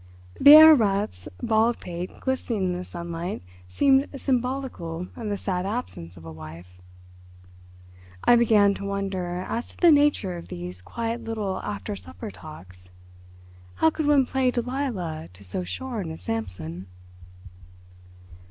The Herr Rat's bald pate glistening in the sunlight seemed symbolical of the sad absence of a wife. I began to wonder as to the nature of these quiet little after supper talks. How could one play Delilah to so shorn a Samson?